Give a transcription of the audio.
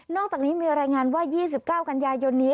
อกจากนี้มีรายงานว่า๒๙กันยายนนี้